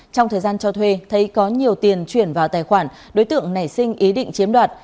trong thời gian cho thuê thấy có nhiều tiền chuyển vào tài khoản đối tượng nảy sinh ý định chiếm đoạt